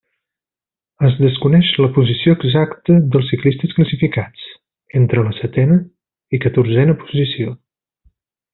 Es desconeix la posició exacta dels ciclistes classificats entre la setena i catorzena posició.